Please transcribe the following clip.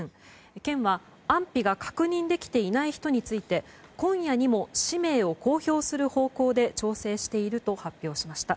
県は安否が確認できていない人について今夜にも氏名を公表する方向で調整していると発表しました。